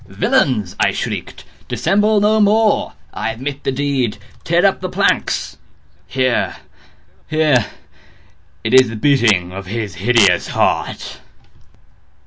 "Villains!" I shrieked, "dissemble no more! I admit the deed!—tear up the planks!—here, here!—It is the beating of his hideous heart!"